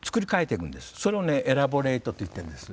それをね「エラボレイト」って言ってるんです。